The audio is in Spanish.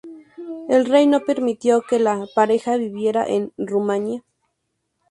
El rey no permitió que la pareja viviera en Rumanía.